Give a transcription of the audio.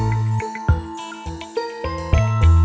itu pana ter absolusi